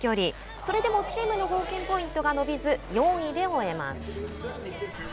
それでもチームの合計ポイントが伸びず４位で終えます。